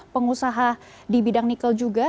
pengusaha di bidang nikel juga